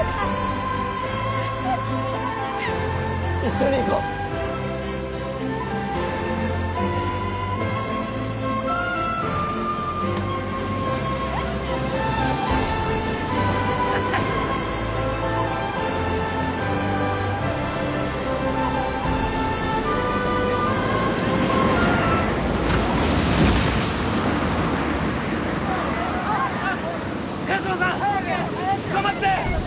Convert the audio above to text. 一緒に行こう萱島さんつかまって！